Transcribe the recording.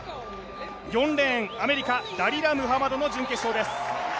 ４レーン、アメリカ、ダリラ・ムハマドも準決勝です。